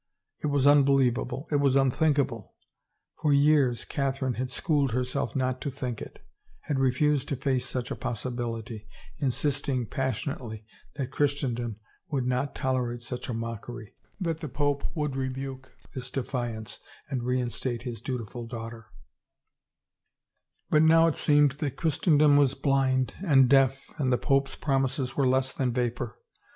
It was unbelievable, it was unthinkable. For years Catherine had schooled herself not to think it, had refused to face such a possibility, insisting pas sionately that Christendom would not tolerate such a mockery, that the pope would rebuke this defiance and reinstate his dutiful daughter, but now it seemed that 262 HAPPIEST OF WOMEN Christendom was blind and deaf and the pope's promises were less than vapor.